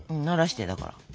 ならしてだから。